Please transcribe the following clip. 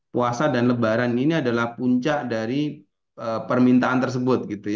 puasa dan lebaran ini adalah puncak dari permintaan tersebut